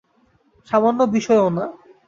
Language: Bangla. সামান্য বিষয়েও না।